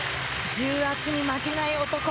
重圧に負けない男。